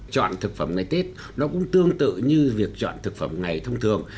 chọn thực phẩm ngày tết nó cũng tương tự như việc chọn thực phẩm ngày thông thường